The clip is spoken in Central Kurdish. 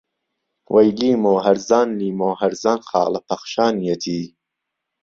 وهی لیمۆ ههرزان لیمۆ ههرزان خاڵهپهخشانیهتی